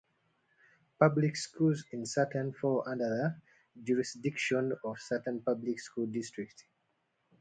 Public schools in Sutton fall under the jurisdiction of Sutton Public School District.